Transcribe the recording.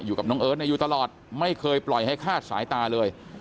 อยู่กับน้องเอิร์ทอยู่ตลอดไม่เคยปล่อยให้คาดสายตาเลย